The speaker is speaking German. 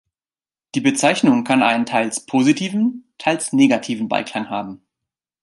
Die Bezeichnung kann einen teils positiven, teils negativen Beiklang haben.